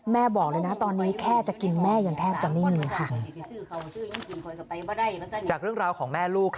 บอกเลยนะตอนนี้แค่จะกินแม่ยังแทบจะไม่มีค่ะ